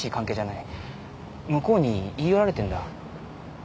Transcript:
向こうに言い寄られてんだ。